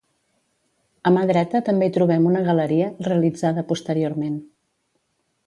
A mà dreta també hi trobem una galeria, realitzada posteriorment.